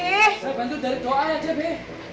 saya bantu dari doa aja be